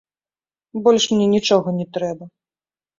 Больш мне нічога не трэба.